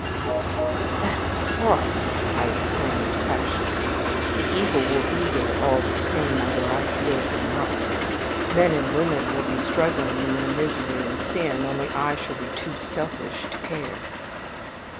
"But that is horrible," I exclaimed, passionately; "the evil will be there all the same, whether I feel it or not. Men and women will be struggling in their misery and sin, only I shall be too selfish to care."